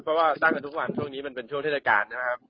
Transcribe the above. เพราะว่าตั้งกันทุกวันช่วงนี้เป็นโชว์ธการนะครับ